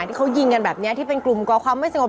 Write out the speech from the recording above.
ที่เขายิงกันแบบนี้ที่เป็นกลุ่มก่อความไม่สงบ